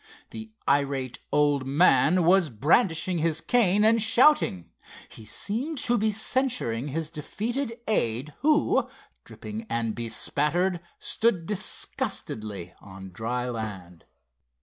The irate old man was brandishing his cane, and shouting. He seemed to be censuring his defeated aide, who, dripping and bespattered, stood disgustedly on dry land.